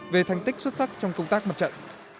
về thành tích xuất sắc trong công tác mặt trận